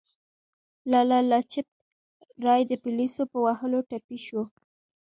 لالا لاجپت رای د پولیسو په وهلو ټپي شو.